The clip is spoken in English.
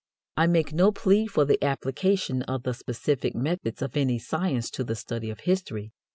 I make no plea for the application of the specific methods of any science to the study of history.